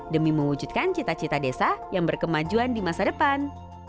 demi mewujudkan cita cita desa yang berkemajuan di masa depan